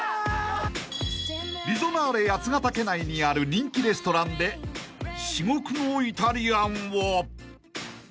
［リゾナーレ八ヶ岳内にある人気レストランで至極のイタリアンを］